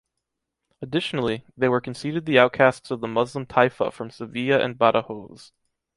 Additionally, they were conceded the outcasts of the Muslim taifa from Sevilla and Badajoz.